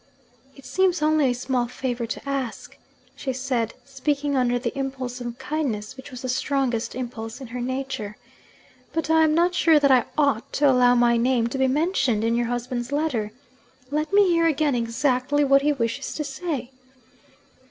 'It seems only a small favour to ask,' she said, speaking under the impulse of kindness which was the strongest impulse in her nature. 'But I am not sure that I ought to allow my name to be mentioned in your husband's letter. Let me hear again exactly what he wishes to say.'